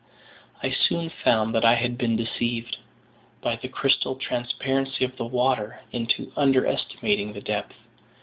I soon found that I had been deceived, by the crystal transparency of the water, into under estimating the depth.